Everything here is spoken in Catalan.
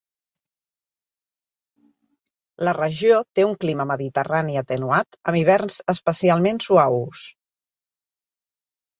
La regió té un clima mediterrani atenuat amb hiverns especialment suaus.